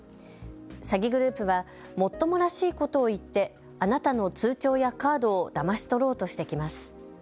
詐欺グループはもっともらしいことを言ってあなたの通帳やカードをだまし取ろうとしてきます。